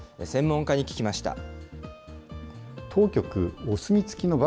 専門家に聞きました。